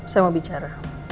saya mau bicara